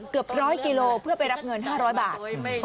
เกือบ๑๐๐กิโลเพื่อไปรับเงิน๕๐๐บาท